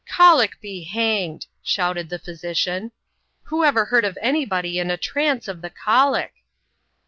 195 " Colic be banged! sbouted tbe pbjrsician ;" wbo ever beard of any body in a trance of tbe colic